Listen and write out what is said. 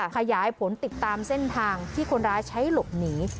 ขยายผลติดตามเส้นทางที่คนร้ายใช้หลบหนี